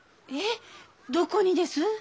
えっどこにです？